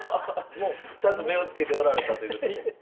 ちゃんと目を付けておられたということで。